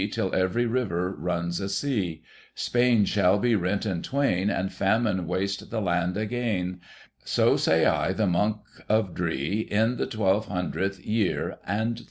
Till every river runs a sea ; Spain shall be rent in twain, And famine waste the land again ; So say I, the Monk of Dree, In the twelve hundredth year and three."